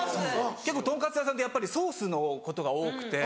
結構豚カツ屋さんってやっぱりソースのことが多くて。